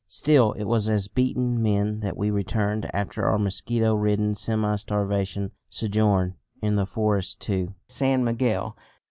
Still it was as beaten men that we returned after our mosquito ridden semi starvation sojourn in the forest to San Miguel.